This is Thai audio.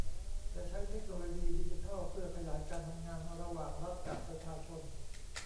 และใช้เทคโนโลยีดิจิทัลเพื่อขยายการทำงานระหว่างรัฐกับประชาชน